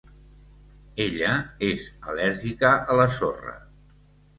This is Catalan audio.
Ella és al·lèrgica a la sorra.